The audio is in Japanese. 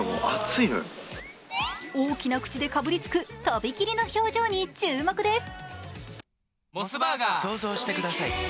大きな口でかぶりつく、とびきりの表情に注目です。